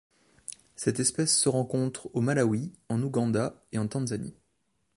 Cette espèce se rencontre au Malawi, en Ouganda et en Tanzanie.